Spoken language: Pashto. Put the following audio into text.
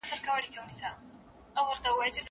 شاګرد خپل مخالفت په پوره زړورتیا سره څرګندوي.